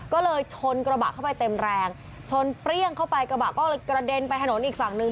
ก็เลยชนกระบะเข้าไปเต็มแรงชนเปรี้ยงเข้าไปกระบะก็เลยกระเด็นไปถนนอีกฝั่งหนึ่ง